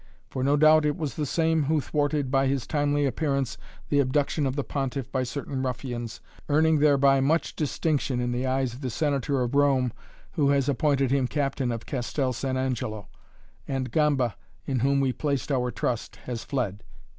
For, no doubt it was the same who thwarted by his timely appearance the abduction of the Pontiff by certain ruffians, earning thereby much distinction in the eyes of the Senator of Rome who has appointed him captain of Castel San Angelo and Gamba in whom we placed our trust has fled.